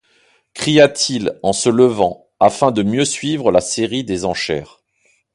cria-t-il, en se levant, afin de mieux suivre la série des enchères.